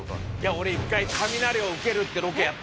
俺一回雷を受けるってロケやったんです。